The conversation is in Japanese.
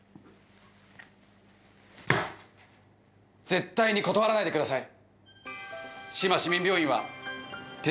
絶対に断らないでください。